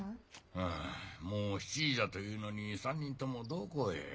うむもう７時じゃというのに３人ともどこへ。